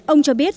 ông cho biết